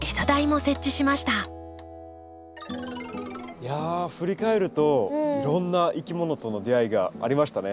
いや振り返るといろんないきものとの出会いがありましたね。